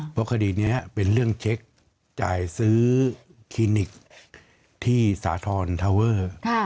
เพราะคดีนี้เป็นเรื่องเช็คจ่ายซื้อคลินิกที่สาธรณ์ทาเวอร์